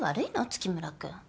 月村君。